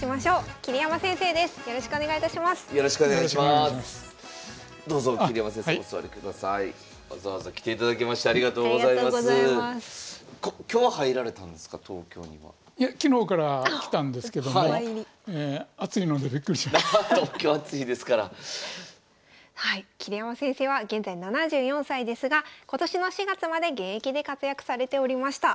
桐山先生は現在７４歳ですが今年の４月まで現役で活躍されておりました。